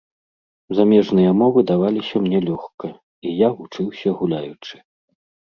Замежныя мовы даваліся мне лёгка, і я вучыўся гуляючы.